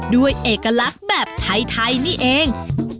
ด้วยเอกลักษณ์แบบไทยนี่เอง